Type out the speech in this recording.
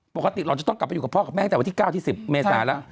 ปกติสองจะตกไปวกับพ่อด้านแม่ตั้งแต่วัน๙๑๐เมษายละ